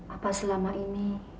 apa selama ini